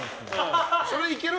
それいける？